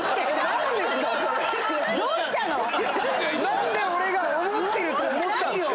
何で俺が思ってると思ったんですか